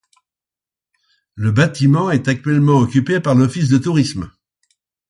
Le bâtiment est actuellement occupé par l'office de Tourisme.